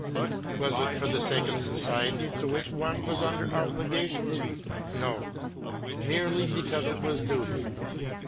Was it for the sake of society to which one was under obligations? No! merely because it was duty.